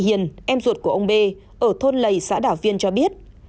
hiền em ruột của ông bê ở thôn lầy xã đảo viên cho biết